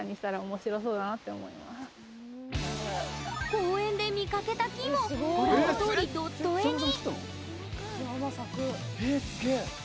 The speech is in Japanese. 公園で見かけた木もご覧のとおり、ドット絵に。